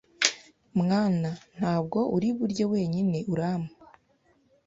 Mwana, ntabwo uri burye'wenyine urampa